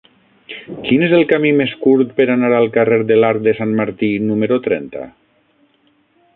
Quin és el camí més curt per anar al carrer de l'Arc de Sant Martí número trenta?